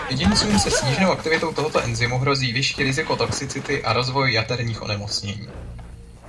Jedincům se sníženou aktivitou tohoto enzymu hrozí vyšší riziko toxicity a rozvoj jaterních onemocnění.